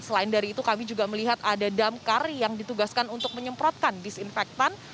selain dari itu kami juga melihat ada damkar yang ditugaskan untuk menyemprotkan disinfektan